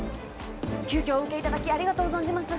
急きょお受けいただきありがとう存じます